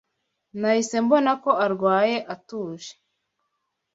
Nahise mbona ko arwaye atuje.